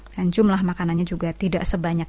dan jumlah makanannya juga tidak sebanyak